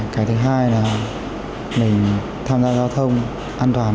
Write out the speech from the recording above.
cái thứ hai là mình tham gia giao thông an toàn